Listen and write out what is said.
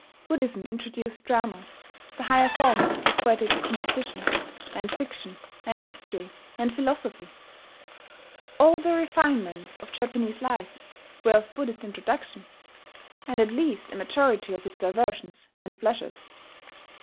Buddhism introduced drama, the higher forms of poetical composition, and fiction, and history, and philosophy. All the refinements of Japanese life were of Buddhist introduction, and at least a majority of its diversions and pleasures.